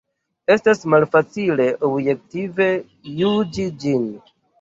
Estas malfacile objektive juĝi ĝin.